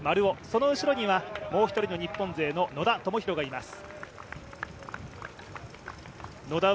その後ろにはもう一人の日本勢の野田明宏がいます。